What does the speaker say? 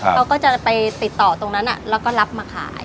เขาก็จะไปติดต่อตรงนั้นแล้วก็รับมาขาย